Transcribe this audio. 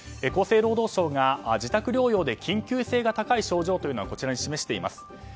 厚生労働省が自宅療養で緊急性が高い症状をこちらに示しています。